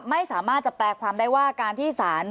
ไม่สามารถจะแปลความได้ว่าการที่สาร